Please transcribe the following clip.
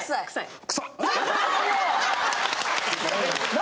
何？